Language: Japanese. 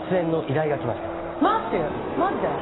⁉マジで？